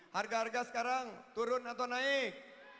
harga harga sekarang turun atau naik